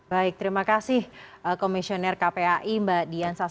baik terima kasih komisioner kpai mbak dian sastra